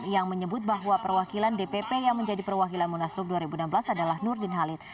yang menyebut bahwa perwakilan dpp yang menjadi perwakilan munaslup dua ribu enam belas adalah nurdin halid